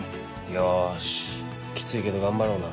よしキツいけど頑張ろうな。